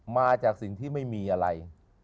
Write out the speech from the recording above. มาจากสิ่งที่ไม่มีอะไร